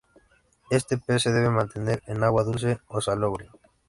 Este pez se debe mantener en agua dulce o salobre.